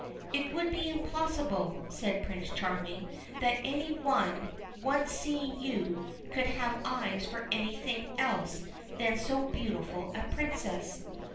' It would be impossible,' said Prince Charming, ' that any one once seeing you could have eyes for anything else than so beautiful a Princess.'